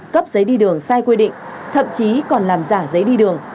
cấp giấy đi đường sai quy định thậm chí còn làm giả giấy đi đường